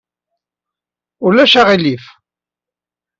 Ulac uɣilif!